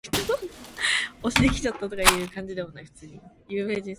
그는 한숨을 길게 쉬며 눈을 꾹 감았다.